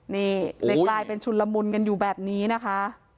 นี่เลยกลายเป็นชุนละมุนกันอยู่แบบนี้นะคะ